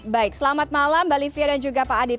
baik selamat malam mbak livia dan juga pak adib